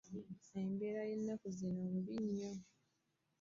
Embeera y'ennaku zino mbi nnyo.